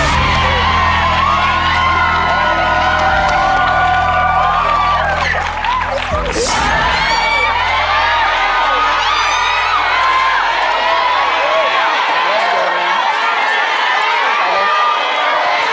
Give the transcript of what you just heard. ผมด้วยนี่ครับ